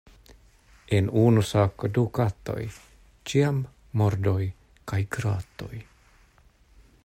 En unu sako du katoj, ĉiam mordoj kaj gratoj.